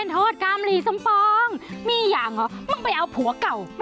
แล้วมึงป้อนมันด้วยถ้าเธอกูเก่าให้